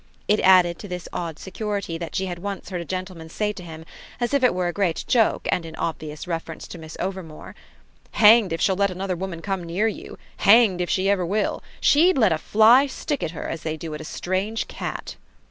It added to this odd security that she had once heard a gentleman say to him as if it were a great joke and in obvious reference to Miss Overmore: "Hanged if she'll let another woman come near you hanged if she ever will. She'd let fly a stick at her as they do at a strange cat!"